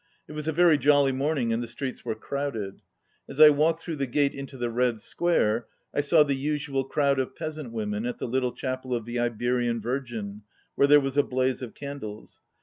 It was a very jolly morning and the streets were crowded. As I walked through the gate into the Red Square I saw the usual crowd of peasant women at the little chapel of the Iberian Virgin, where there was a blaze of candles.